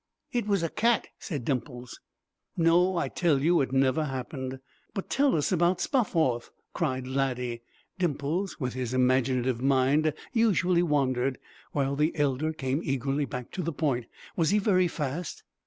"It was a cat," said Dimples. "No; I tell you it never happened." "But tell us about Spofforth," cried Laddie. Dimples, with his imaginative mind, usually wandered, while the elder came eagerly back to the point. "Was he very fast?"